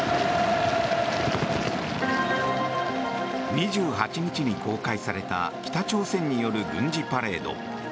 ２８日に公開された北朝鮮による軍事パレード。